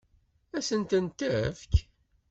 Ad sen-ten-tefk?